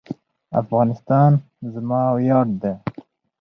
افغانستان زما ویاړ دی؟